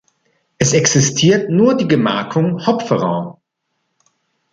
Es existiert nur die Gemarkung Hopferau.